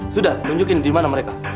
sudah tunjukin di mana mereka